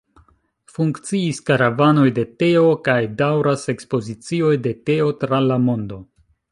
Funkciis karavanoj de teo, kaj daŭras ekspozicioj de teo tra la mondo.